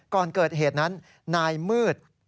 ก่อนเกิดเหตุนั้นนายมืด